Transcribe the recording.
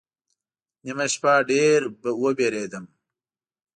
نیمه شپه ډېر ووېرېدم